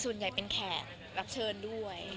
ส่วนใหญ่คือแขคนที่เชิญด้วย